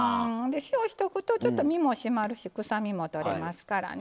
塩しとくとちょっと身も締まるし臭みも取れますからね。